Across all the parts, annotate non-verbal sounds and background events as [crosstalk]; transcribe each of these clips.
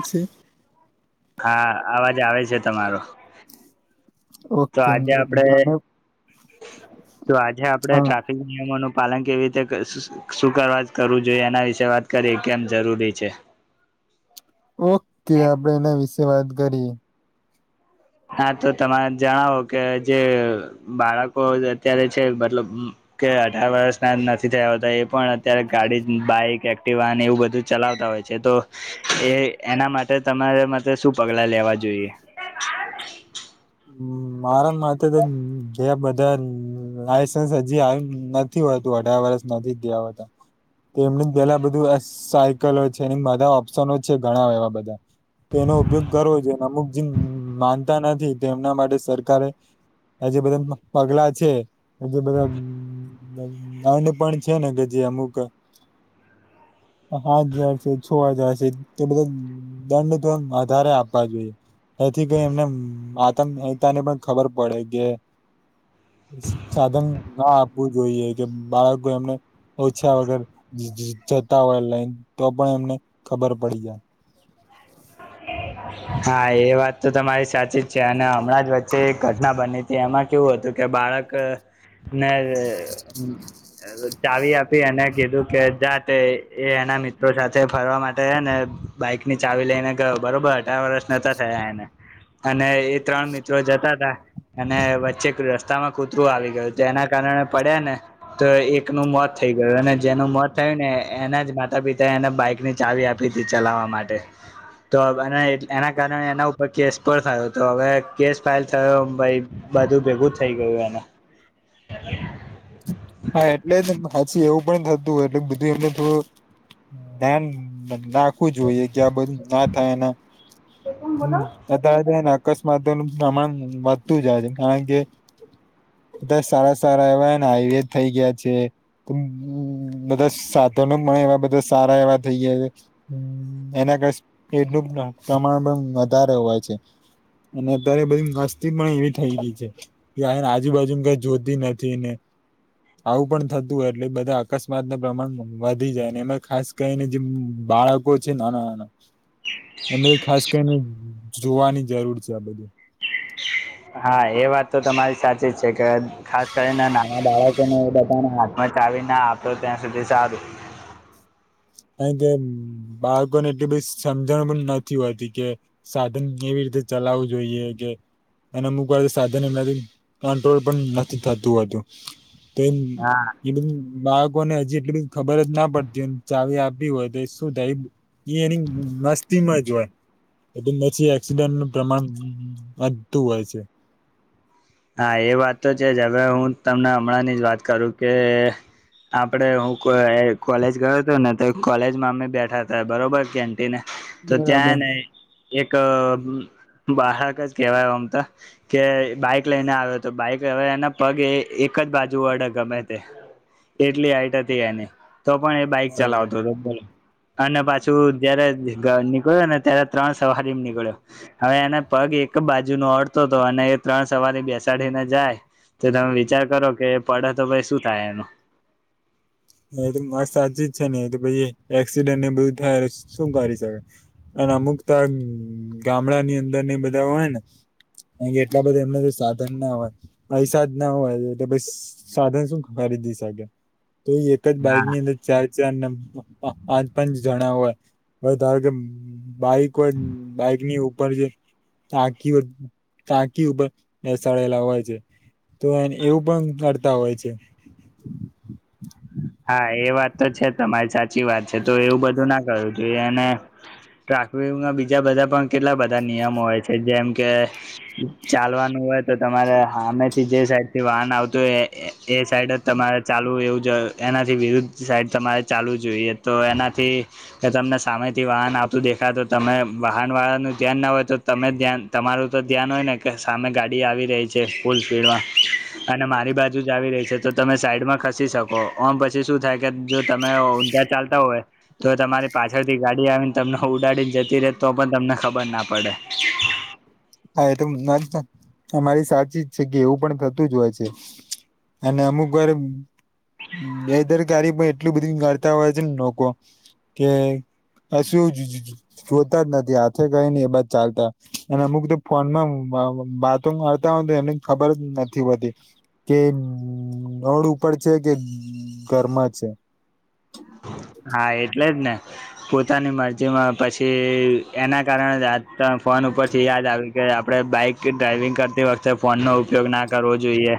આશરે હા અવાજ આવે છે તમારો તો ઓકે આજે આપડે મને- હા તો આજે આપડે નિયમો નો પાલન કેવી રીતે કરશુ શું કરવા કરવું જોયે એના વિષે વાત કરીયે કેમ જરૂરી છે. ઓકે આપડે એના વિશે વાત કરીએ. હા તો તમે જણાવો કે જે બાળકો અત્યારે છે મતલબ કે અઢાર વર્ષ ના નથી થયાતા એ પણ અત્યારે ગાડી બાઈક એક્તિવા વાન એવું બધું ચલાવતા હોય છે. જે તો એ એના માટે તમારે માટે શું પગલાં લેવા જોઈએ? [inaudible] હ મારા માટે તો જે બધા લાયસન્સ હજી આવ નથી હોતું અઢાર વરષ નથી થીયા હોતા. તો એમની પેલા બધું સાયકલો છે એ બધા ઓપ્શનો છે ઘણાય એવા બધા. તેનો ઉપયોગ કરવો જોઈ. અમુક જે માનતા નથી તેમના માટે સરકારે આ જે બધા પગલા છે જે બધા અન્ન પણ છે ને છે અમુક હાથ હજાર છે છો હજાર છે એ બધા દંડ તો વધધારે આપવા જોઈએ એથી કઈ એમને ત તને પણ ખબર પડે કે સાધન ના આપવું જોઈએ કે બાળકો એમને પૂછ્યા વગર જતા હોય લઈન તો પણ એમને ખબર પડી જાય. હા એ વાત તો તમારી સાચી જ છે અને હમણાં જ વચ્ચે એક ઘટના બની હતી એમાં કેવું હતું કે બાળક ક ના હેલો ચાવી આપી અનેને કીધું કે જાતે એ એના મિત્રો સાથે ફરવા માટે ને બાઈક ની ચાવી લઈને ગયો બરોબર અઢાર વર્ષ નોતા થયા એને. અને એ ત્રણ મિત્રો જતા હતા. અને વચ્ચે રસ્તામાં કૂતરું આવી ગયું તો એના કારણે પડ્યા ને તો એકનું મોત થઈ ગયું અને જેનું મોત થયું ને એના જ માતા પિતા એને બાઈકની ચાવી આપી હતી ચલાવવા માટે તો એના કારણે એના ઉપર કેસ પણ થયો હતો હવે કેસ ફાઇલ થયો ભાઈ બધું ભેગું થઇ ગયું એને હા એટલે જ હછી એવું પણ થતું હોય એટલે બધું એમને થોડું ધ્યાન રાખવું જોઈએ કે આ બધું ના થાય એના હમ. અ્તયારે એને અકસ્માતો નું પ્રમાણ વધતું જાય છે કારણ કે બધ સારા સારા એવા ને હાઈવે થઇ ગયા છે. બધા સાધનો પણ એવા બધા સારા એવા થઈ ગયા છે. હમ એના કરેડનું પ્રમાણ પણ વધારે હોય છે. અને અત્યારે બધી મસ્તી પણ એવી થઈ ગઈ છે. કે એને આજુબાજુ કઈ જોતી નથી ને. આવું પણ થતું હોય એટલે બધા અકસ્માત ના પ્રમાણ વધી જાય એમાં ખાસ કરીને જે બાળક લોકો છે નાના નાના એમને ખાસ કરીને જોવાની જરૂર છે આ બધું. હા એ વાત તો તમારી સાચી જ છે કે ખાસ કરીને નાના બાળકોને બધા પણ હાથમાં ચાવી ના આપતો ત્યાં સુધી સારું. કાર કે બાળકો ને એટલી બધી સમજણ પણ નથી હોતી કે. સાધન કેવી રીતે ચલાવવું જોઈએ કે અને અમુક વાર સાધન એમનાથી કંટ્રોલ પણ નથી થતું હોતું. તો એમ હા એટધ બાળકોને હજી એટલી બધી ખબર જ ના પડતી હોય. ચાવી આપી હોય તો શું થાય એ એની મસ્તીમાં જ હોય. એટલે નથી એક્સિડન્ટ નું પ્રમાણ વધતું હોય છે. હા એ વાત તો છે જ હવે હું તમને હમણાં ની જ વાત કરું કે આપડે હું કો કોલેજ ગયો હતો ને તો કોલેજમાં અમે બેઠા હતા બરોબર કે ને તો બરાબર. ત્યાં ને એક બાળક જ કેહેવાય ઓમ તો કે બાઈક લઈને આવ્યો હતો બાઈક હવે એના પગ એક જ બાજુ વડે ગમે તે. એટલી હાઇટ હતી એને તો પણ એ બાઈક બરાબર ચલાવતો હતો બોલ. અને પાછું જયારે નીકળ્યો ને ત્યારે ત્રણ સવારી નીકળ્યો. હવે એને પગ એક બાજુ નો અડતો હતો અને એ ત્રણ સવારી બેસાડીને જાય તો તમે વિચાર કરો કે પડે તો ભાઈ શું થાય એનું. એ તો માત સાચી જ છે ને તો પછ એક્સિડેન્ટ ને બધું થાય શું કરી શકે. અને અમુક ત ગામડા ની અંદર ને બધા હોય ને. કા કે એટલા બધા એમને સાધન ના હોય પૈસા જ ના હોય એટલે પ. સાધન શું કરી દિ શકે તો એ એકજ બાઈક ની અંદર. ચાર ચાર ને પાંચ પાંચ જણા હોય હવે ધારો કે. બાઈક હોય બાઈક ની ઉપર જે. ટાંકી ઉ ટાંકી ઉપર બેસાડેલા હોય છે. તો એવું પણ કરતા હોય છે. હમ. [unintelligible] હા એ વાત તો છે તમારી સાચી વાત છે તો એવું બધું ના કરું તું એને. ટ્રાફિકના બીજા બધા પણ કેટલા બધા નિયમો હોય છે જેમ કે. ચાલવાનું હોય તો તમારે હામેથી જે સાઈડ થી વાહન આવતું હોય એ સાઈડ જ. તમારે ચાલવું એવું જ એનાથી વિરુદ્ધ સાઈડ તમારે ચાલવું જોઈએ તો એનાથી. કે તમને સામેથી વાહન આવતુ દેખાય તો તમે વાહન વાળા નું ધ્યાન ના હોય તો. તમે ધ્યાન તમારું તો ધ્યાન હોય ને કે સામે ગાડી આવી રહી છે ફૂલ સ્પીડમાં. અને મારી બાજુ જ આવી રહી છે તો તમે સાઈડમાં ખસી શકો. ઓમ પછી શું થાય કે જો તમે ઊંધા ચાલતા હોય. તો તમારી પાછળથી ગાડી આવીને તમને ઉડાડીને જતી રહે તો પણ તમને ખબર ના પડે. હા એ તો વાત સાચી તમારી સાચી જ છે કે એવું પણ થતું જ હોય છે. અને અમુક વાર. બેદરકારી પ એટલી બધી કડતા હોય છે ને લોકો કે... અ સુ જુજુ જોતા જ નથી હાથે કઈ ન એ બા ચાલતા અને અમુક તો ફોનમા હુ [unintelligible] વળતા એને ખબર જ નથી વધી. કે રોડ ઉપર છે કે ઘરમાં છે. હા એટલે જ ને પોતાની મરજીમાં પછી એના કારણે. ત ફોન ઉપર થી યાદ આવી. કે આપડણે બાઈક ડ્રાઈવિંગ કરતી વખતે ફોન નો ઉપયોગ ના કરવો જોઈએ.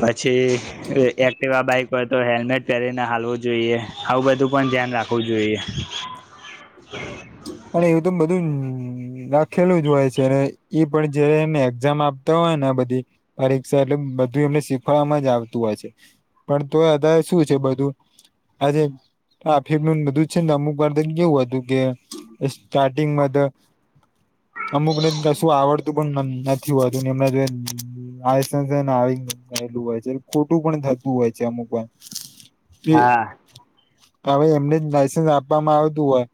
પછી એક્ટિવા બાઈક પર તો હેલ્મેટ પહેરીને હાલવું જોઈએ. આવુ બધુ પણ ધ્યાન રાખવુ જોઈએ. પણ એવુ તો બધુ ઊઊ... નખેલું જ હોય છે ઈ પણ જે એને એક્ઝામ આપતા હોય ને આ બધી. પરીક્ષા એટલે બધુ એમને સીખવવામા જ આવતું હોય છે. પણ તો અદય શુ છે બધું. હજે આફેબનુ ન બધુ જ છે ને અમુક વર્દન કેવુ તું કે.. સ્ટાટિંગ મા ત અમુકને કશું આવડતુ તું પણ નમ નથી હોતું. [inaudible] આસસને આવી ગયેલુ હોય છે ખોટું પણ થતુ હોય છે અમુક વાર. તે હા હવે એમને જ લાઈસન્સ આપવામા આવતુ હોય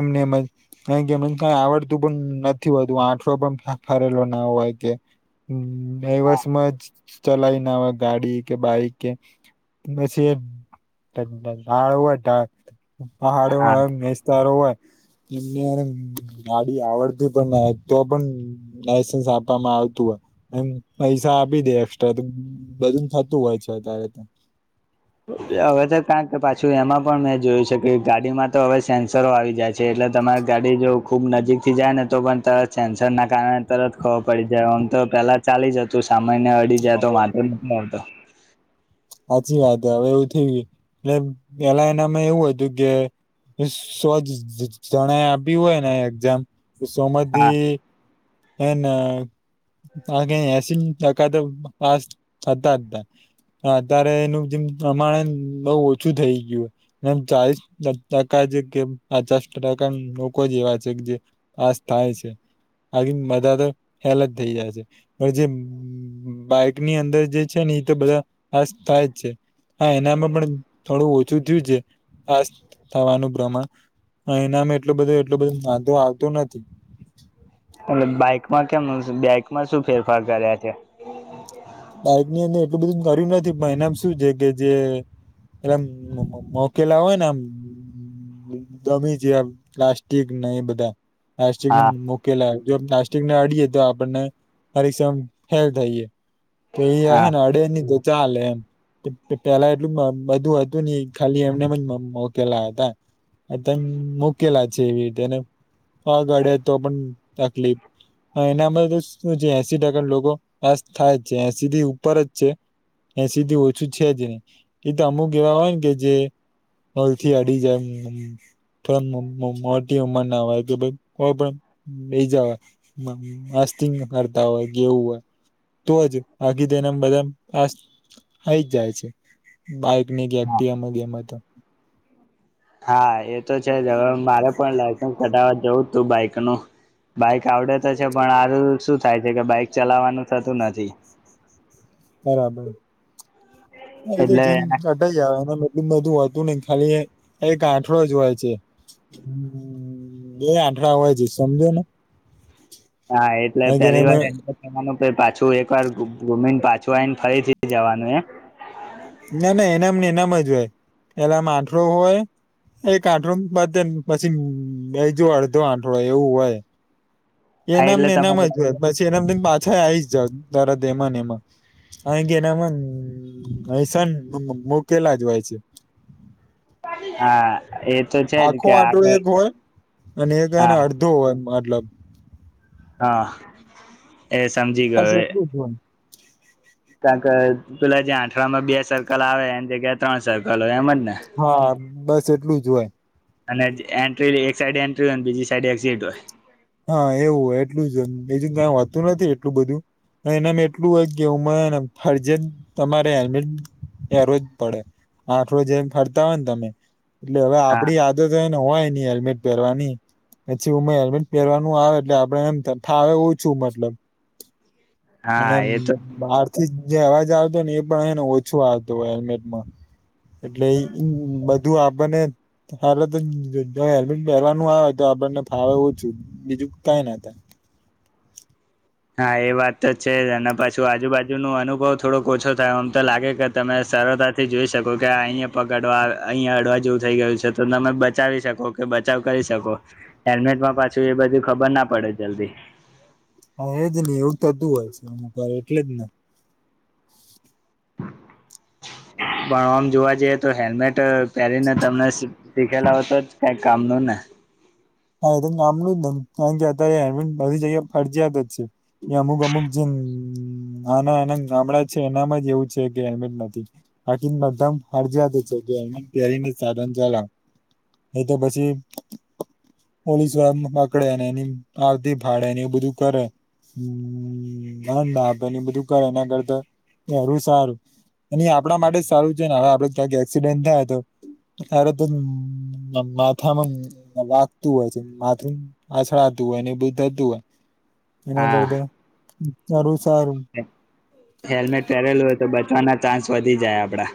એમને એમજ. કઈ કે મન કઈ આવડતુ પણ નથી હોતુ આઠળો પણ ફાફરેલો ના હોય કે. હમ ડાઈવસમાં જ ચલાય ના હોય ગાડી કે બાઈક કે. પછી એ. [unintelligible] પહાડો હા હોય મેસ્તારો હોય. [inaudible] ગાડી આવડતી પણ ન હોય, તો પણ. લાયસન્સ આપમા આવતુ હોય. એમ પૈસા આપી દે એક્સ્ટ્રા તો બધુ થતુ હોય છે ત્યારે ત. અવે તો તા કે પાછુ એમાં પણ મે જોયુ છે કે ગાડીમા તો હવે સેન્સરો આવી જાય. છે એટલે તમાયે ગાડી જો ખુબ નજીકથી જાય ને ત પણ તરત સેન્સરના કારણે તરત ખ પડી જાય મ તો પેલા ચાલી જ હતુ સામાન્ય અડી જાય તો વાંધો હાચી વાત હવે એવુ થઈ ગયુ એલે પેલા એનામા એવુ તુ કે, સો જઝણે આપ્યું હોય ને એક્ઝામ ત હા સોમાથી હેને આ [unintelligible] એસી ટકા ત પાસ થતા તા. હા અત્યારે એનુ જેમ પ્રમાણે બઉ ઓછુ થઇ ગીયુ. એમ ચાલીસ ટકા જ કે પચાસ ટકા લોકો જ એવા છે, જે.. આસ થાય છે. આકીન બધા તો હેલ જ થઈ જાય છે પણ જે બાઈક ની અંદર જે છે ને ઈ તો બધા આ થાય જ છે. હા એનામા પણ થોડુ ઓછુ થીયું છે આસ થવાનુ પ્રમાણ. હ એનામા એટલુ બધુ એટલુ બધું વાંધો આવતુ નથી. એટ બાઈકમા કેમ બાઈકમા શું ફેરફાર કર્યા છે? બાઈક ની અંદર એટલુ બધું કર્યું નથી પણ એનામ શું છે કે જે એલેમ મોકેલા હોયને આમ દમી જેમ પ્લાસ્ટિક ને એ બધા પ્લાસ્ટિક હા મુ કેલા જો પ્લાસ્ટિકને અડીએે તો આપણને હરીક્ષમ હેલ થઈએ. તો ઈ હા અહેને અડે ની તો ચાલે એમ. પેલા એટલુ મબધું હતુ ની ખાલી એમને એમ મોકેલા હતા એમ આ તમે મોકેલા છે એવી રીતેને પગ અડે તો પણ.. તકલીફ એનામા સ જે એસી ટકા લોકો પાસ થાય. જે સીધી ઉપર જ છે. એસી થી ઓછુ છે જ ની એ તો અમુક એવા હોય ને કે જે હલ થી આડી જાયમમ.. પણ મોટી ઉંમર ના હોય કે ભાઈ કોઈ પણ બે જવાય મસ્તીંગ કરતા હોય ગેવું હોય. તો જ ભાગી દેનેમ બધા આ હઈ જ જાય છે. બાઈક ની હા ગેઈટમ ગમ તો. હા એ તો છે જ હવે મારે પણ લાયસન્સ કઢાવા જવુ તું બાઈક નું. બાઈક આવડે તો છે પણ આારું શું થાય છે કે બાઈક ચલાવવાનુ થતું નથી. બરાબર. એ તો એટલે જીન [unintelligible] ધું બધું હોતુ ની ખાલી એક આઠડો જ હોય છે. મ્મ બે આઠડા વાય છે. સમજો ને હા. એટલે પેલી વાર એનામાં એ જનું પાછું એક વાર ગુમીને પાછું આવીઈને ફરીથી જવાનું એમ. ના ના એનામને એનામ જ હોય. પેલામાં આઠરો હોય. એક આંઠડો બધ પછી બે જો અડધો આંઠડો એવું હોય. હા એનામને એટલે એનામ તમારે જ હોત પછી એના પાછા આવી જ જ તર દ એમાં ને એમાં. અહી કેનામ અસ મોકેલા જ હોય છે. હ. આખો આટલો એક હોય અને એકને હા અડધો હોય મતલબ. હા. એ સમજી ગયો. ય. કારણ કે પેલા જ્યાં આઠરામાં બે સર્કલ આવે એની જગ્યા ત્રણ સર્કલ હોય એમ જને. હા. બસ એટલું જ હોય. અને એન્ટ્રી એક સાઈડ એન્ટ્રી હોય બીજી સાઈડ એક્ઝિટ હોય. હા એવું એટલું જ બીજું ક વાતું નથી એટલું બધું. એના એટલું હોય કે હ ફજ તમારે હેલ્મેટ ત રોજ પડે આઠ રોજ એમ ફરતા હોય ને તમે. એટલે હવે હા આપડી આદતને હોય ની હેલ્મેટ પહેરવાની. પછી હું હેલ્મેટ પહેરવાનું આવે એટલે આપડે એમ થાવ ઓછું મતલબ. અને હા એ તો બહાર થી જે અવાજ આવતો ને એ પણ હ ને ઓછો આવતો હેલ્મેટમાં એટલે બધ. બું આપણને હલે તો જો હેલ્મેટ પહેરવાનું આવે તો આપણને ફાવે એવું બીજું કઈ નાતા. હા એ વાત તો છે જ અને પછું આજુબાજુ ન અનુભવ થોડોક ઓછો થાય. આમ તો લાગે કે તમે સરળતાથી જોઈ શકો કે અહીંયા પકડવા અહીંયા હડવા જેવું થઈ ગયું છે તો તમે બચાવી શકો કે. તો બચાવ કરી શકો. હેલ્મેટમાં પાછું એ બધું ખબર ના પડે જલ્દી. હા એજ નહી એવું થતું હોય છે. એમકર એટલે જ ન પણ આમ જોવા જઈએ તો હેલ્મેટ પહેરીને તમને શીખાયલા હોતો જ કઈ કામ ન ના. હા એ તો નામનું જ ક કે અત્યારે બધી જગ્યા ફરજીયાત જ છે. એ અમુક અમુક જે આના આના ગામડા છે એનામાં જ એવું છે કે હેમેટ નથી. હાકીદમ હર જતો પરી સાધન ચલા એ તો પછી. પોલીસ વાળા પકડે, ને એની આરતી ભાડે ને એવું બધું કરે. હમંદેને બધું કરે એના કરતા એારું સારું. એ આપણા માટે જ સારું છે ને હવે આપડે ક્યાંક એક્સિડેન્ટ થાય તો આારદ માથ મમ વા હોય છે માથું આછળતું હોય ને એ બધું થતું હોય એના હા કર. સારું સારું. હેલ્મેટ પહેરેલું હોય તો બચવાના ચાન્સ વધી જાય આપડા.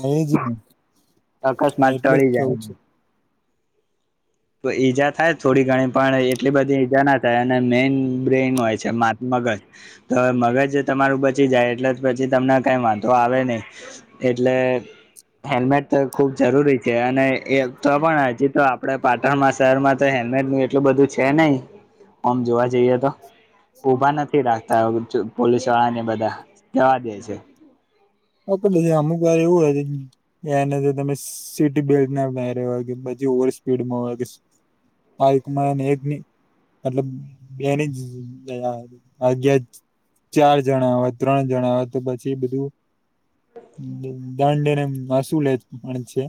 હા એ જ ને અકસ્માત એટલે જ ટળી થવું છે. જાય તો ઈજા થાય થોડી ઘણી પણ એટલી બધી ઈજા ના થાય અને મેઈન બ્રેઇન હોય છે. માત્ મગજ તો મગજ તમારું બચી જાય એટલે પછી તમને કઈ વાંધો આવે નહી. એટલે હેલ્મેટ ખુબ જરૂરી છે અને એ તો પણ હજી તો આપડે પાટણમાં શહેરમાં તો હેલ્મેટ નું એટલું બધું છે નહી ઓમ જોવા જઈએ તો. ઉભા નથી રાખતા પોલીસ વાળાને બધા જવા દે છે. હટ અમુક વાર એવું હો. તને તો તમે સીટ બેલ્ટ ના બરે્યા હોય કે પછી ઓવર સ્પીડમાં હોય કે માયકુમાર હગ્ની. મતલબ બેની જ આગ્યા જ. ચાર જણા હો ત્રણ જણા હોય તો પછી બધું દાંડેને એ હસુ લે પણ છે.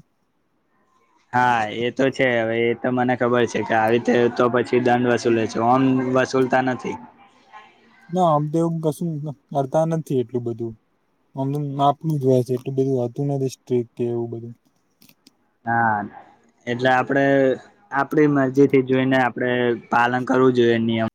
હા એ તો છે હવે એ તો મને ખબર છે કે આવી રીતે તો પછી દંડ વસૂલે છે ઓમ વસૂલ તા નથી. ના આમ તો એવું કશું કરતા નથી એટલું બધું. આમ નાપું જ હોય છે એટલું બધુંતું નથી સ્ટ્રીક કે એવું બધું. હા ને. એટલે આપડે આપડી મરજી થી જોઈને આપણે પાલન કરવું જોઈએ નિયમ